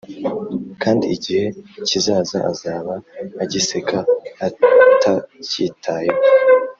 kandi igihe kizaza azaba agiseka atacyitayeho